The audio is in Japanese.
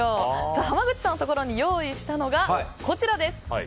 濱口さんのところに用意したのがこちらです。